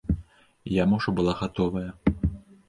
Яма ўжо была гатовая.